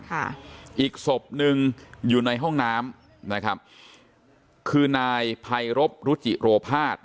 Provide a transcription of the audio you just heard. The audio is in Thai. อีกศพหนึ่งอยู่ในห้องน้ำนะครับคือนายภัยรบรุจิโรภาส